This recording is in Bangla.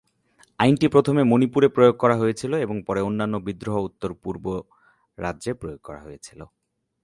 আইনটি প্রথমে মণিপুরে প্রয়োগ করা হয়েছিল এবং পরে অন্যান্য বিদ্রোহ-উত্তর-পূর্ব রাজ্যে প্রয়োগ করা হয়েছিল।